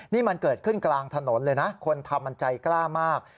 นี่มันเกิดขึ้นกลางถนนเลยนะคนทำมันใจกล้ามาก